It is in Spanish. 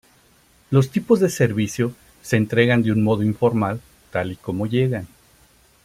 Los tipos de servicio se entregan de un modo informal tal y como llegan.